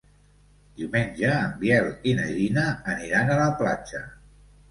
Diumenge en Biel i na Gina aniran a la platja.